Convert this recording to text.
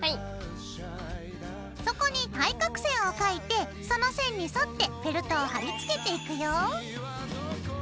そこに対角線を描いてその線に沿ってフェルトを貼り付けていくよ。